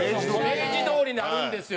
明治通りにあるんですよ。